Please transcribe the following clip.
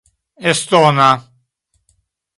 estona